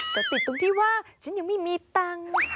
แต่ติดตรงที่ว่าฉันยังไม่มีตังค์